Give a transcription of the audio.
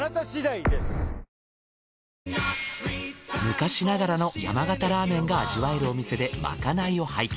昔ながらの山形ラーメンが味わえるお店でまかないを拝見。